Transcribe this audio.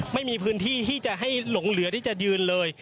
ไม่มีพื้นที่ที่จะให้หลงเหลือที่จะยืนเลย